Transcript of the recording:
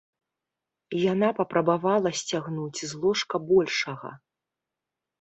Яна папрабавала сцягнуць з ложка большага.